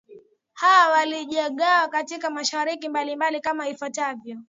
hawa walijigawa katika mashirika mbalimbali kama ifuatavyo